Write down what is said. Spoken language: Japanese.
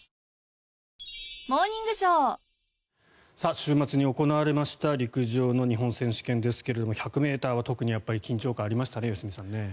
週末に行われました陸上の日本選手権ですけど１００ｍは特に緊張感がありましたね、良純さん。